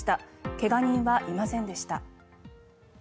怪我人はいませんでした。